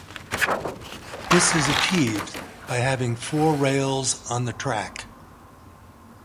This is achieved by having four rails on the track.